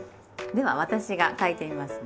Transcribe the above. では私が書いてみますね。